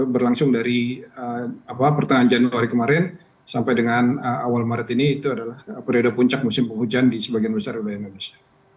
berlangsung dari pertengahan januari kemarin sampai dengan awal maret ini itu adalah periode puncak musim penghujan di sebagian besar wilayah indonesia